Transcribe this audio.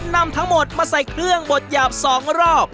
นำทั้งหมดมาใส่เครื่องบดหยาบ๒รอบ